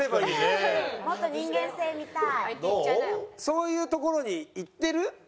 そういう所に行ってる？